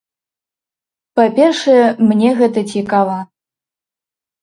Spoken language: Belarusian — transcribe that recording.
Па-першае, мне гэта цікава.